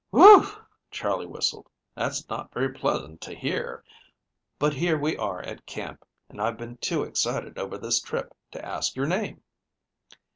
"Whew!" Charley whistled, "that's not very pleasant to hear, but, here we are at camp, and I've been too excited over this trip to ask your name."